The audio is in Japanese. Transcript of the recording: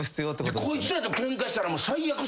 こいつらとケンカしたら最悪っすよ。